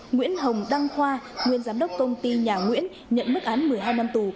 nguyễn hồng đăng khoa nguyên giám đốc công ty nhà nguyễn nhận mức án một mươi hai năm tù